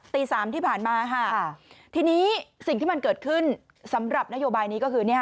สามที่ผ่านมาค่ะทีนี้สิ่งที่มันเกิดขึ้นสำหรับนโยบายนี้ก็คือ